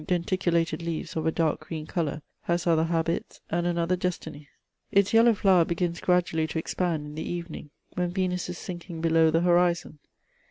The pyramidal (Enothera, with ohlong denticulated leaves of a dark green colour, has other hahits, and another destiny. Its yellow flower begins gradually to expand in the evening, when Venus is sinking below the horizon.